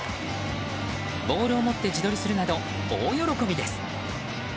ボールを持って自撮りするなど大喜びです。